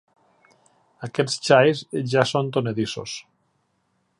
Aquests xais ja són tonedissos.